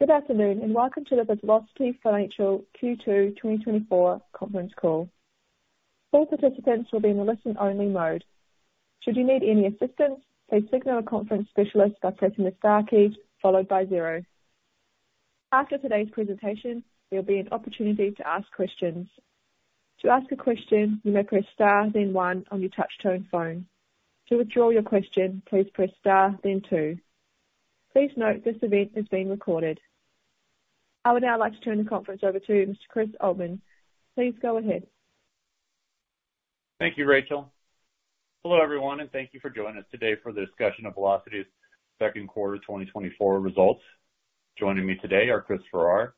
Good afternoon and welcome to the Velocity Financial Q2 2024 Conference Call. All participants will be in the listen-only mode. Should you need any assistance, please signal a conference specialist by pressing the star key followed by zero. After today's presentation, there will be an opportunity to ask questions. To ask a question, you may press star then one on your touch-tone phone. To withdraw your question, please press star then two. Please note this event is being recorded. I would now like to turn the conference over to Mr. Chris Oltmann. Please go ahead. Thank you, Rachel. Hello, everyone, and thank you for joining us today for the discussion of Velocity's Q2 2024 Results. Joining me today are Chris Farrar,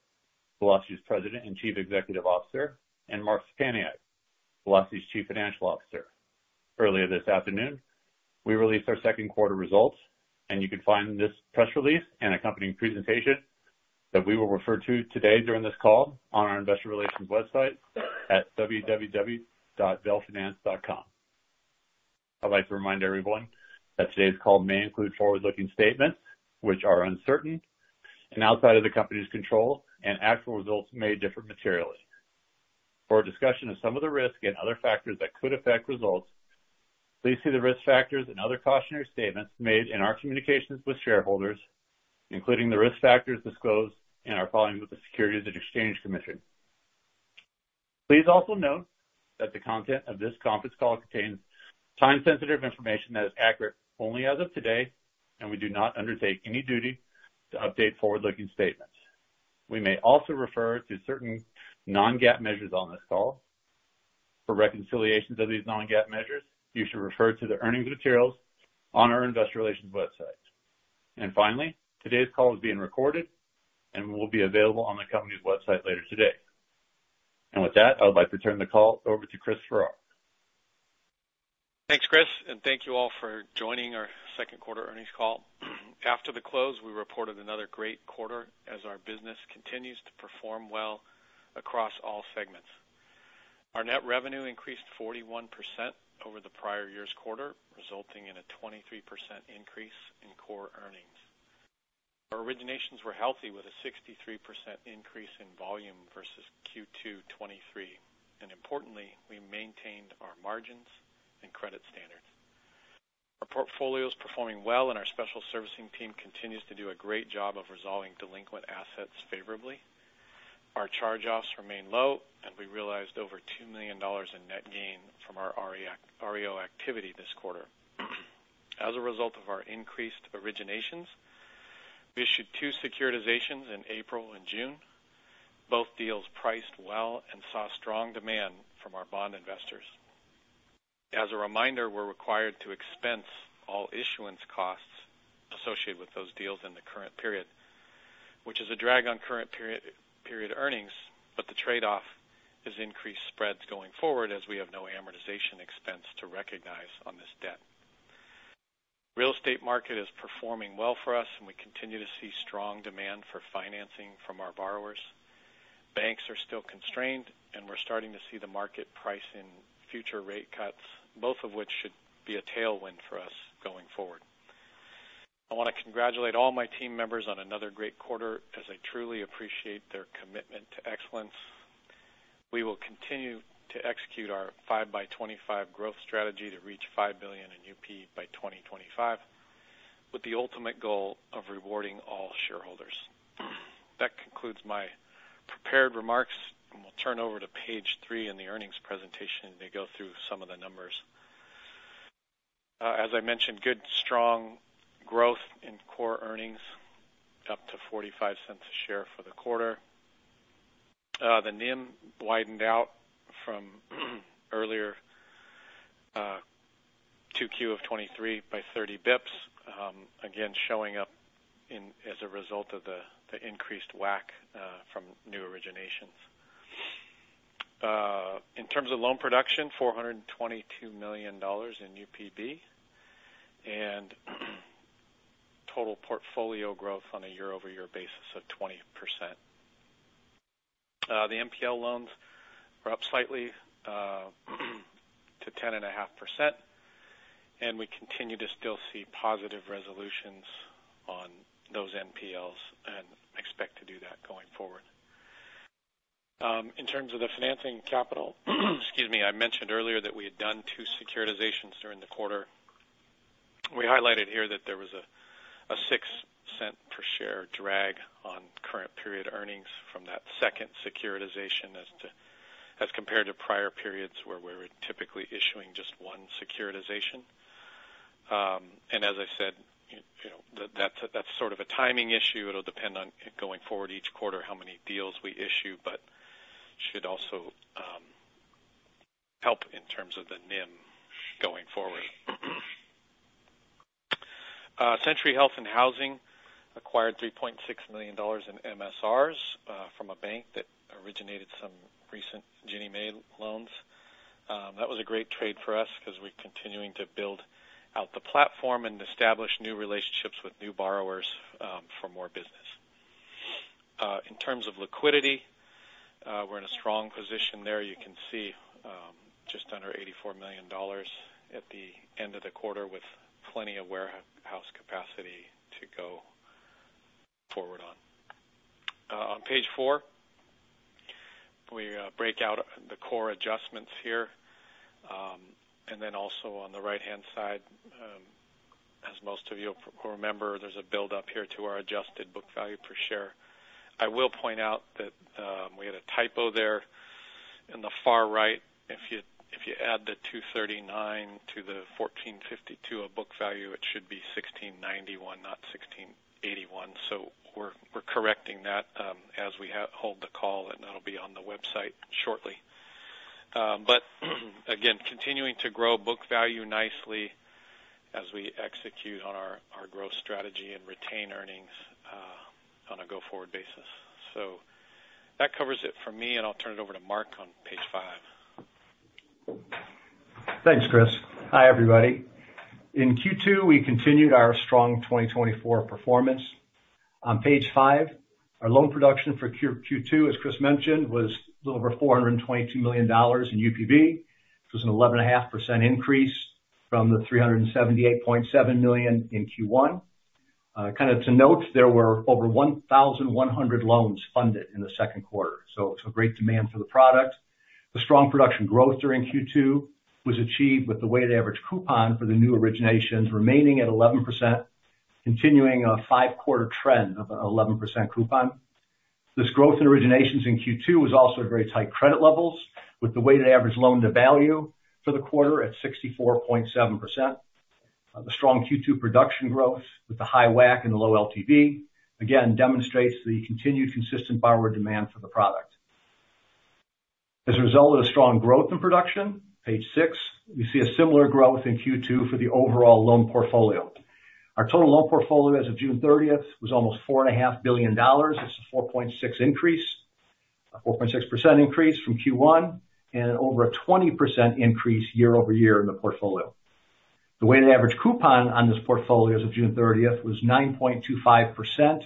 Velocity's President and Chief Executive Officer, and Mark Szczepaniak, Velocity's Chief Financial Officer. Earlier this afternoon, we released our Q2 results, and you can find this press release and accompanying presentation that we will refer to today during this call on our investor relations website at www.velfinance.com. I'd like to remind everyone that today's call may include forward-looking statements which are uncertain and outside of the company's control, and actual results may differ materially. For a discussion of some of the risk and other factors that could affect results, please see the risk factors and other cautionary statements made in our communications with shareholders, including the risk factors disclosed in our filings with the Securities and Exchange Commission. Please also note that the content of this conference call contains time-sensitive information that is accurate only as of today, and we do not undertake any duty to update forward-looking statements. We may also refer to certain non-GAAP measures on this call. For reconciliations of these non-GAAP measures, you should refer to the earnings materials on our investor relations website. And finally, today's call is being recorded and will be available on the company's website later today. And with that, I would like to turn the call over to Chris Farrar. Thanks, Chris, and thank you all for joining our Q2 earnings call. After the close, we reported another great quarter as our business continues to perform well across all segments. Our net revenue increased 41% over the prior year's quarter, resulting in a 23% increase in core earnings. Our originations were healthy with a 63% increase in volume versus Q2 2023. Importantly, we maintained our margins and credit standards. Our portfolio is performing well, and our special servicing team continues to do a great job of resolving delinquent assets favorably. Our charge-offs remain low, and we realized over $2 million in net gain from our REO activity this quarter. As a result of our increased originations, we issued two securitizations in April and June, both deals priced well and saw strong demand from our bond investors. As a reminder, we're required to expense all issuance costs associated with those deals in the current period, which is a drag on current period earnings, but the trade-off is increased spreads going forward as we have no amortization expense to recognize on this debt. Real estate market is performing well for us, and we continue to see strong demand for financing from our borrowers. Banks are still constrained, and we're starting to see the market pricing future rate cuts, both of which should be a tailwind for us going forward. I want to congratulate all my team members on another great quarter as I truly appreciate their commitment to excellence. We will continue to execute our 5x25 growth strategy to reach $5 billion in UPB by 2025, with the ultimate goal of rewarding all shareholders. That concludes my prepared remarks, and we'll turn over to page three in the earnings presentation to go through some of the numbers. As I mentioned, good strong growth in core earnings, up to $0.45 a share for the quarter. The NIM widened out from earlier Q2 of 2023 by 30 bps, again showing up as a result of the increased WAC from new originations. In terms of loan production, $422 million in UPB and total portfolio growth on a year-over-year basis of 20%. The NPL loans were up slightly to 10.5%, and we continue to still see positive resolutions on those NPLs and expect to do that going forward. In terms of the financing capital, excuse me, I mentioned earlier that we had done two securitizations during the quarter. We highlighted here that there was a $0.06 per share drag on current period earnings from that second securitization as compared to prior periods where we were typically issuing just one securitization. And as I said, that's sort of a timing issue. It'll depend on going forward each quarter how many deals we issue, but should also help in terms of the NIM going forward. Century Health & Housing acquired $3.6 million in MSRs from a bank that originated some recent Ginnie Mae loans. That was a great trade for us because we're continuing to build out the platform and establish new relationships with new borrowers for more business. In terms of liquidity, we're in a strong position there. You can see just under $84 million at the end of the quarter with plenty of warehouse capacity to go forward on. On page four, we break out the core adjustments here. And then also on the right-hand side, as most of you will remember, there's a build-up here to our Adjusted Book Value per share. I will point out that we had a typo there in the far right. If you add the $2.39 to the $14.52 of book value, it should be $16.91, not $16.81. So we're correcting that as we hold the call, and that'll be on the website shortly. But again, continuing to grow book value nicely as we execute on our growth strategy and retain earnings on a go-forward basis. So that covers it for me, and I'll turn it over to Mark on page five. Thanks, Chris. Hi, everybody. In Q2, we continued our strong 2024 performance. On page five, our loan production for Q2, as Chris mentioned, was a little over $422 million in UPB. It was an 11.5% increase from the $378.7 million in Q1. Kind of to note, there were over 1,100 loans funded in the Q2. So it was a great demand for the product. The strong production growth during Q2 was achieved with the weighted average coupon for the new originations remaining at 11%, continuing a five-quarter trend of an 11% coupon. This growth in originations in Q2 was also very tight credit levels, with the weighted average loan to value for the quarter at 64.7%. The strong Q2 production growth, with the high WAC and the low LTV, again demonstrates the continued consistent borrower demand for the product. As a result of the strong growth in production, page six, we see a similar growth in Q2 for the overall loan portfolio. Our total loan portfolio as of June 30th was almost $4.5 billion. It's a 4.6% increase from Q1 and over a 20% increase year-over-year in the portfolio. The weighted average coupon on this portfolio as of June 30th was 9.25%,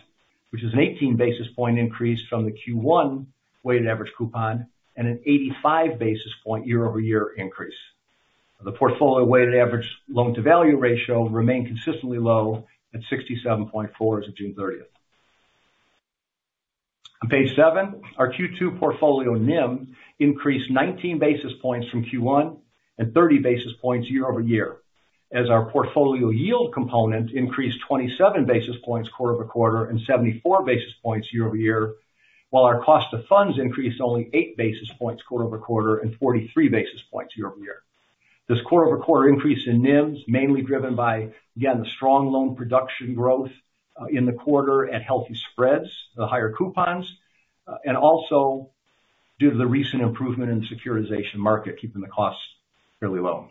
which is an 18 basis point increase from the Q1 weighted average coupon and an 85 basis point year-over-year increase. The portfolio weighted average loan to value ratio remained consistently low at 67.4% as of June 30th. On page seven, our Q2 portfolio NIM increased 19 basis points from Q1 and 30 basis points year-over-year, as our portfolio yield component increased 27 basis points quarter-over-quarter and 74 basis points year-over-year, while our cost of funds increased only 8 basis points quarter-over-quarter and 43 basis points year-over-year. This quarter-over-quarter increase in NIM is mainly driven by, again, the strong loan production growth in the quarter and healthy spreads, the higher coupons, and also due to the recent improvement in the securitization market, keeping the costs fairly low.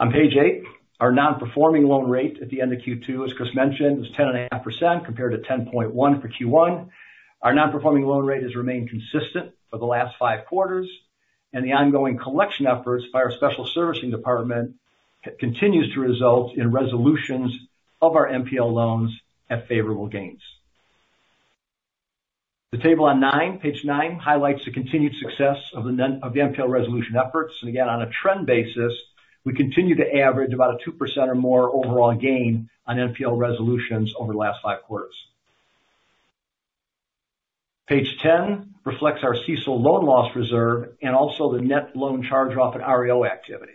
On page 8, our non-performing loan rate at the end of Q2, as Chris mentioned, was 10.5% compared to 10.1% for Q1. Our non-performing loan rate has remained consistent for the last 5 quarters, and the ongoing collection efforts by our special servicing department continue to result in resolutions of our NPL loans at favorable gains. The table on 9, page 9, highlights the continued success of the NPL resolution efforts. Again, on a trend basis, we continue to average about a 2% or more overall gain on NPL resolutions over the last 5 quarters. Page 10 reflects our CECL loan loss reserve and also the net loan charge-off and REO activity.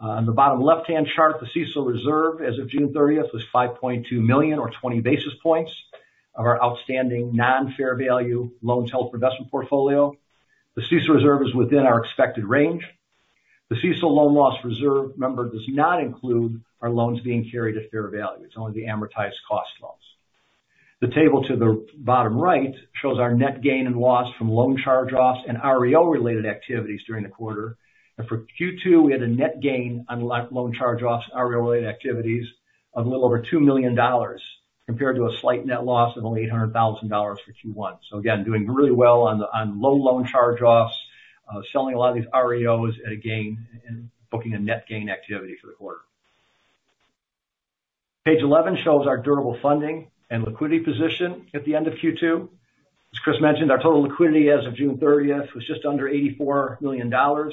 On the bottom left-hand chart, the CECL reserve as of June 30th was $5.2 million, or 20 basis points, of our outstanding non-fair value loans held for investment portfolio. The CECL reserve is within our expected range. The CECL loan loss reserve number does not include our loans being carried at fair value. It's only the amortized cost loans. The table to the bottom right shows our net gain and loss from loan charge-offs and REO-related activities during the quarter. For Q2, we had a net gain on loan charge-offs and REO-related activities of a little over $2 million compared to a slight net loss of only $800,000 for Q1. So again, doing really well on low loan charge-offs, selling a lot of these REOs at a gain and booking a net gain activity for the quarter. Page 11 shows our durable funding and liquidity position at the end of Q2. As Chris mentioned, our total liquidity as of June 30th was just under $84 million. And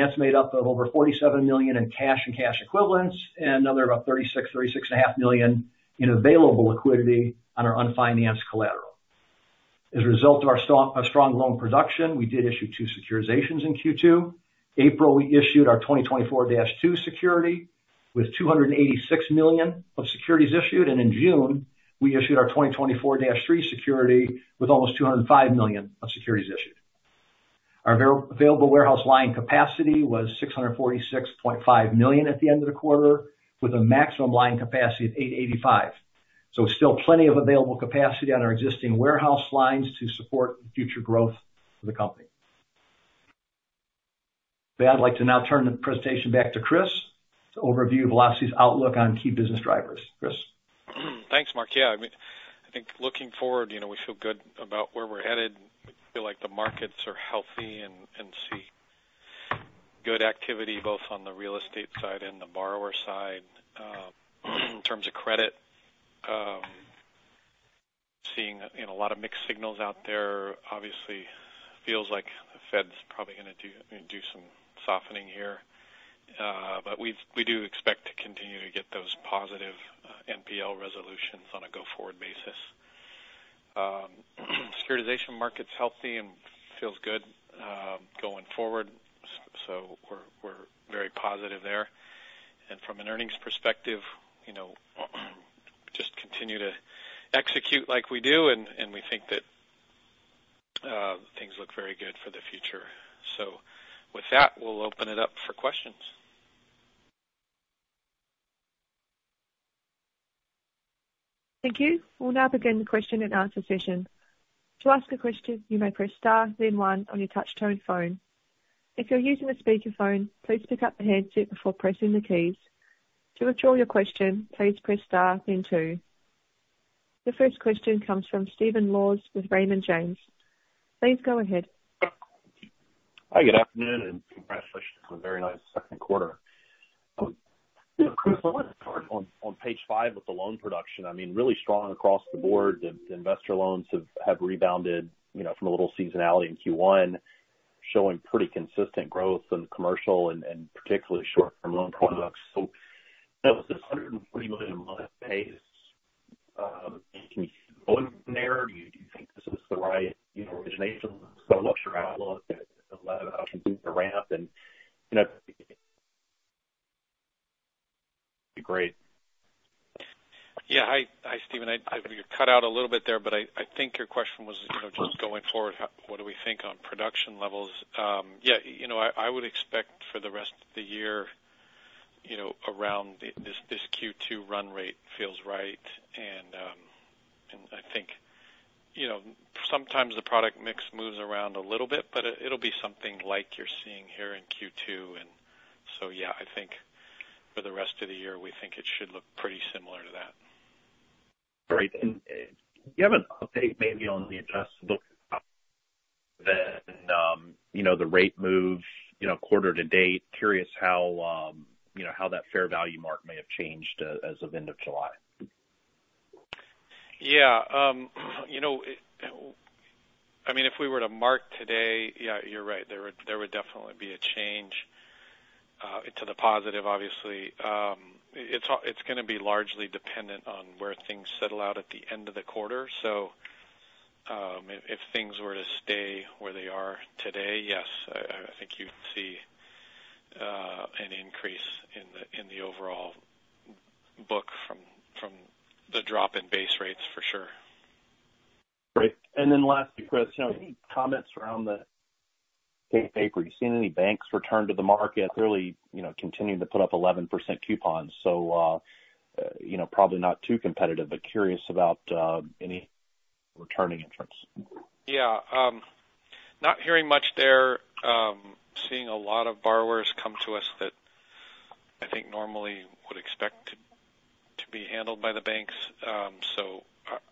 that's made up of over $47 million in cash and cash equivalents and another about $36.5 million in available liquidity on our unfinanced collateral. As a result of our strong loan production, we did issue two securitizations in Q2. In April, we issued our 2024-2 security with $286 million of securities issued. And in June, we issued our 2024-3 security with almost $205 million of securities issued. Our available warehouse line capacity was $646.5 million at the end of the quarter, with a maximum line capacity of $885 million. So still plenty of available capacity on our existing warehouse lines to support future growth of the company. So yeah, I'd like to now turn the presentation back to Chris to overview Velocity's outlook on key business drivers. Chris. Thanks, Mark. Yeah, I think looking forward, we feel good about where we're headed. We feel like the markets are healthy and see good activity both on the real estate side and the borrower side. In terms of credit, seeing a lot of mixed signals out there, obviously feels like the Fed's probably going to do some softening here. But we do expect to continue to get those positive NPL resolutions on a go-forward basis. Securitization market's healthy and feels good going forward. So we're very positive there. And from an earnings perspective, just continue to execute like we do, and we think that things look very good for the future. So with that, we'll open it up for questions. Thank you. We'll now begin the question-and-answer session. To ask a question, you may press star, then one, on your touch-tone phone. If you're using a speakerphone, please pick up the headset before pressing the keys. To withdraw your question, please press star, then two. The first question comes from Stephen Laws with Raymond James. Please go ahead. Hi, good afternoon, and congratulations on a very nice Q2. Chris, I want to start on page 5 with the loan production. I mean, really strong across the board. The investor loans have rebounded from a little seasonality in Q1, showing pretty consistent growth in commercial and particularly short-term loan products. So is this $140 million a month base going there? Do you think this is the right origination? So I'll look at a lot of how things are ramped and great. Yeah, hi, Stephen. I think you cut out a little bit there, but I think your question was just going forward, what do we think on production levels? Yeah, I would expect for the rest of the year around this Q2 run rate feels right. And I think sometimes the product mix moves around a little bit, but it'll be something like you're seeing here in Q2. And so yeah, I think for the rest of the year, we think it should look pretty similar to that. Great. And do you have an update maybe on the Adjusted Book Value? Then the rate moves quarter to date. Curious how that fair value mark may have changed as of end of July. Yeah. I mean, if we were to mark today, yeah, you're right. There would definitely be a change to the positive, obviously. It's going to be largely dependent on where things settle out at the end of the quarter. So if things were to stay where they are today, yes, I think you'd see an increase in the overall book from the drop in base rates for sure. Great. And then lastly, Chris, any comments around the severity? You've seen any banks return to the market? Clearly continuing to put up 11% coupons. So probably not too competitive, but curious about any returning interest? Yeah. Not hearing much there. Seeing a lot of borrowers come to us that I think normally would expect to be handled by the banks. So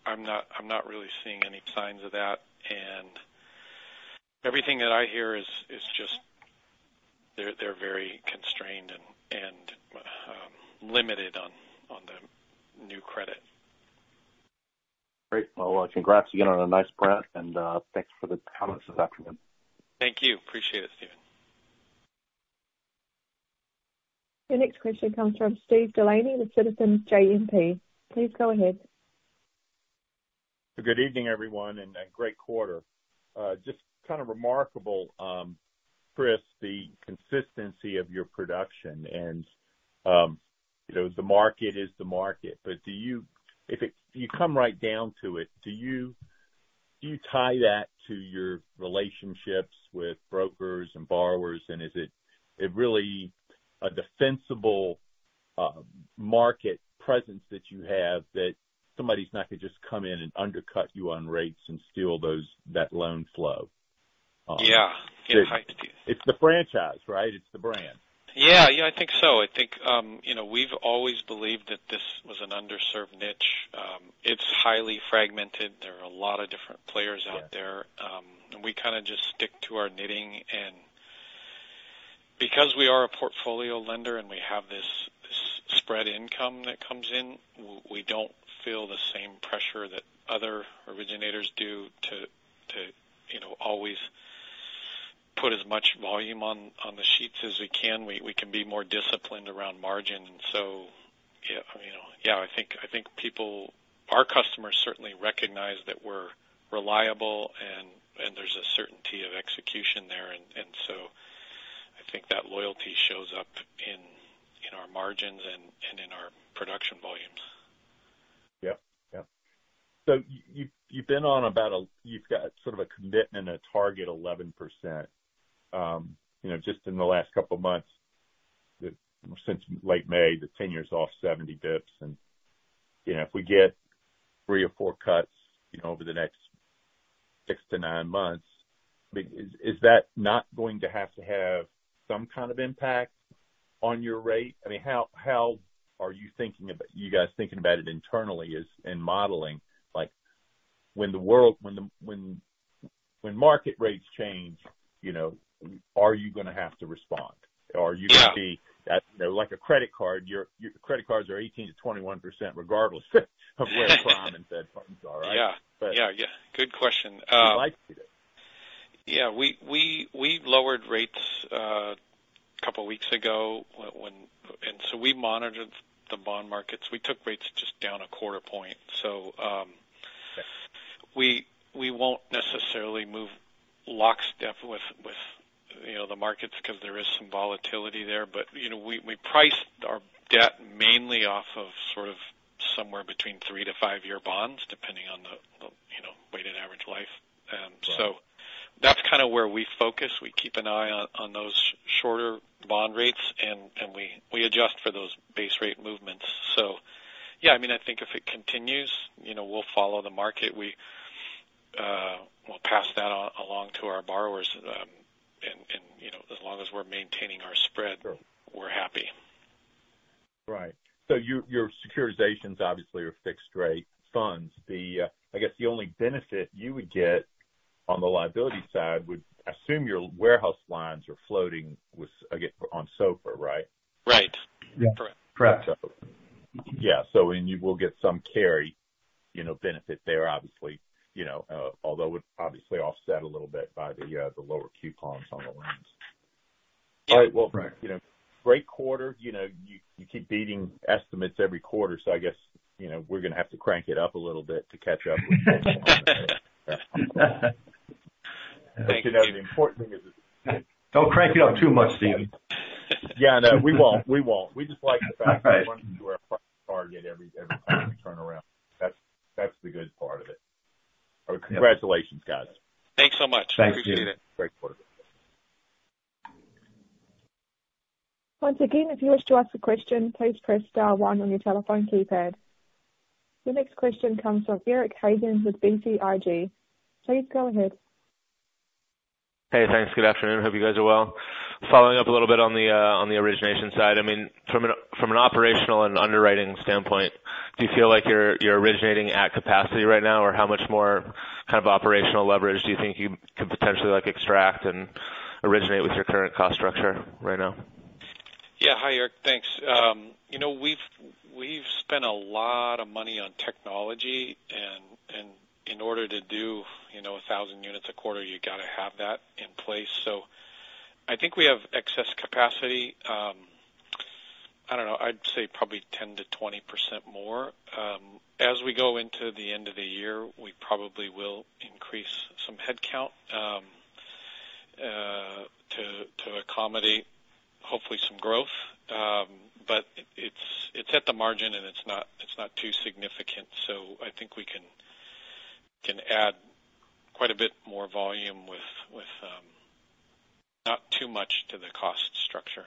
I'm not really seeing any signs of that. And everything that I hear is just they're very constrained and limited on the new credit. Great. Well, congrats again on a nice print, and thanks for the comments this afternoon. Thank you. Appreciate it, Stephen. The next question comes from Steve Delaney with Citizens JMP. Please go ahead. Good evening, everyone, and a great quarter. Just kind of remarkable, Chris, the consistency of your production. The market is the market. If you come right down to it, do you tie that to your relationships with brokers and borrowers? Is it really a defensible market presence that you have that somebody's not going to just come in and undercut you on rates and steal that loan flow? Yeah. It's the franchise, right? It's the brand. Yeah. Yeah, I think so. I think we've always believed that this was an underserved niche. It's highly fragmented. There are a lot of different players out there. And we kind of just stick to our knitting. And because we are a portfolio lender and we have this spread income that comes in, we don't feel the same pressure that other originators do to always put as much volume on the sheets as we can. We can be more disciplined around margin. So yeah, I think people, our customers certainly recognize that we're reliable and there's a certainty of execution there. And so I think that loyalty shows up in our margins and in our production volumes. Yep. Yep. So you've been on about a—you've got sort of a commitment and a target 11%. Just in the last couple of months, since late May, the 10-year's off 70 bps. And if we get three or four cuts over the next six to nine months, is that not going to have to have some kind of impact on your rate? I mean, how are you thinking about—you guys thinking about it internally and modeling? When the market rates change, are you going to have to respond? Or are you going to be like a credit card? Your credit cards are 18%-21% regardless of where the prime and Fed funds are, right? Yeah. Yeah. Yeah. Good question. You might be there. Yeah. We lowered rates a couple of weeks ago. So we monitored the bond markets. We took rates just down a quarter point. So we won't necessarily move lockstep with the markets because there is some volatility there. But we priced our debt mainly off of sort of somewhere between 3- and 5-year bonds, depending on the weighted average life. So that's kind of where we focus. We keep an eye on those shorter bond rates, and we adjust for those base rate movements. So yeah, I mean, I think if it continues, we'll follow the market. We'll pass that along to our borrowers. And as long as we're maintaining our spread, we're happy. Right. So your securitizations, obviously, are fixed-rate funds. I guess the only benefit you would get on the liability side would assume your warehouse lines are floating on SOFR, right? Right. Correct. Correct. Yeah. So we'll get some carry benefit there, obviously, although it would obviously offset a little bit by the lower coupons on the lines. All right. Well, great quarter. You keep beating estimates every quarter. So I guess we're going to have to crank it up a little bit to catch up. The important thing is that. Don't crank it up too much, Stephen. Yeah. No, we won't. We won't. We just like the fact that we're running to our target every time we turn around. That's the good part of it. Congratulations, guys. Thanks so much. Thanks. Appreciate it. Great quarter. Once again, if you wish to ask a question, please press star one on your telephone keypad. The next question comes from Eric Hagen with BTIG. Please go ahead. Hey, thanks. Good afternoon. Hope you guys are well. Following up a little bit on the origination side. I mean, from an operational and underwriting standpoint, do you feel like you're originating at capacity right now? Or how much more kind of operational leverage do you think you can potentially extract and originate with your current cost structure right now? Yeah. Hi, Eric. Thanks. We've spent a lot of money on technology. And in order to do 1,000 units a quarter, you got to have that in place. So I think we have excess capacity. I don't know. I'd say probably 10%-20% more. As we go into the end of the year, we probably will increase some headcount to accommodate, hopefully, some growth. But it's at the margin, and it's not too significant. So I think we can add quite a bit more volume with not too much to the cost structure.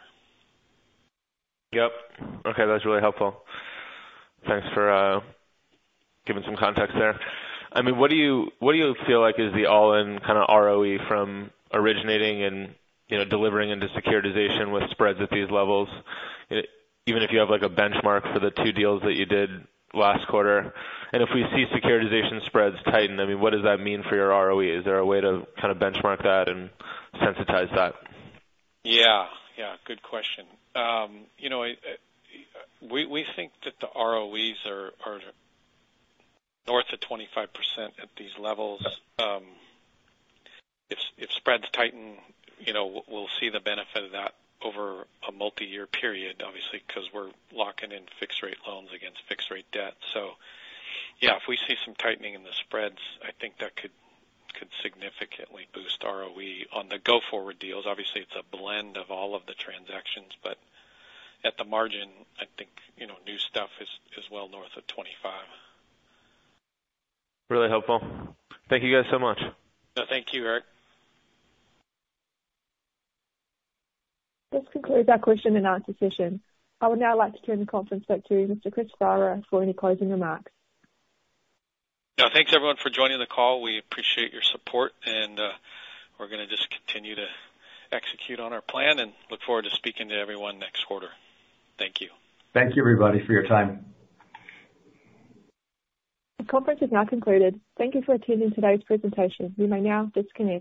Yep. Okay. That's really helpful. Thanks for giving some context there. I mean, what do you feel like is the all-in kind of ROE from originating and delivering into securitization with spreads at these levels? Even if you have a benchmark for the two deals that you did last quarter. And if we see securitization spreads tighten, I mean, what does that mean for your ROE? Is there a way to kind of benchmark that and sensitize that? Yeah. Yeah. Good question. We think that the ROEs are north of 25% at these levels. If spreads tighten, we'll see the benefit of that over a multi-year period, obviously, because we're locking in fixed-rate loans against fixed-rate debt. So yeah, if we see some tightening in the spreads, I think that could significantly boost ROE on the go-forward deals. Obviously, it's a blend of all of the transactions. But at the margin, I think new stuff is well north of 25. Really helpful. Thank you guys so much. Thank you, Eric. This concludes our question and answer session. I would now like to turn the conference back to Mr. Chris Farrar for any closing remarks. Yeah. Thanks, everyone, for joining the call. We appreciate your support. And we're going to just continue to execute on our plan and look forward to speaking to everyone next quarter. Thank you. Thank you, everybody, for your time. The conference is now concluded. Thank you for attending today's presentation. You may now disconnect.